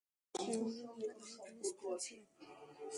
আমার বন্ধুরা তাদের জন্য স্পেশাল ছিল।